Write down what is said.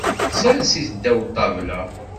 Sers-it ddaw ṭṭabla.